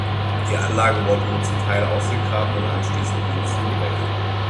Die Anlage wurde nur zum Teil ausgegraben und anschließend wieder zugedeckt.